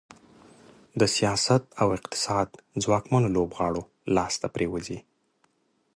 د سیاست او اقتصاد ځواکمنو لوبغاړو لاس ته پرېوځي.